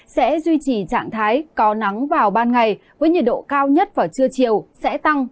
sẽ duy trì trạng thái có nắng vào ban ngày với nhiệt độ cao nhất vào trưa chiều sẽ tăng